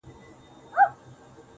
اوس خو رڼاگاني كيسې نه كوي.